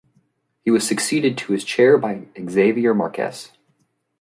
He was succeeded to his chair by Xavier Marques.